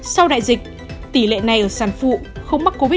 sau đại dịch tỷ lệ này ở sàn phụ không mắc covid